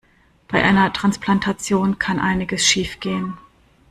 Bei einer Transplantation kann einiges schiefgehen.